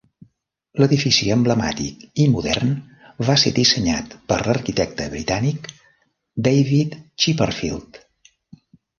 L'edifici emblemàtic i modern va ser dissenyat per l'arquitecte britànic David Chipperfield.